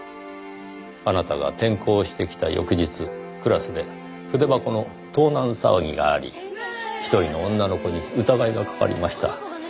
あなたが転校してきた翌日クラスで筆箱の盗難騒ぎがあり１人の女の子に疑いがかかりました。